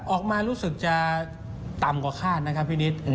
รู้สึกจะต่ำกว่าคาดนะครับพี่นิด